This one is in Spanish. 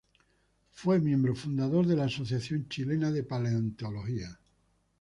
Fue miembro fundador de la Asociación Chilena de Paleontología.